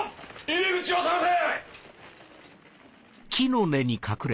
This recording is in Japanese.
入り口を探せ！